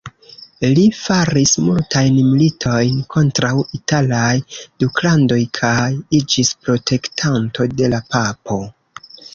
Li faris multajn militojn kontraŭ italaj duklandoj kaj iĝis protektanto de la papo.